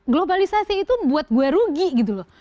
globalisasi itu buat gue rugi gitu loh